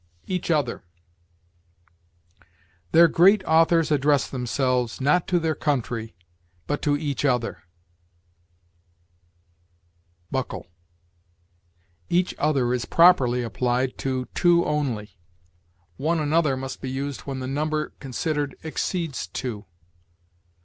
EACH OTHER. "Their great authors address themselves, not to their country, but to each other." Buckle. Each other is properly applied to two only; one another must be used when the number considered exceeds two.